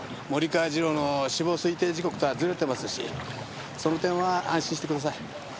森川次郎の死亡推定時刻とはずれてますしその点は安心してください。